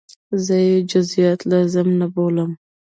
زه یې جزئیات لازم نه بولم.